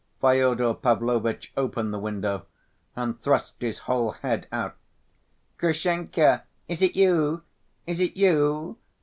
Fyodor Pavlovitch opened the window and thrust his whole head out. "Grushenka, is it you? Is it you?"